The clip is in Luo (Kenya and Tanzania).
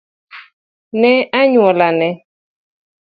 ne anyuolane